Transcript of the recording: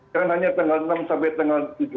karena hanya tanggal enam sampai tanggal tujuh belas